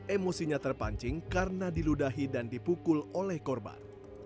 emosinya terpancing karena diludahi dan dipukul oleh korban